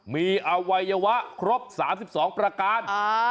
มีอวัยวะครบ๓๒ประการ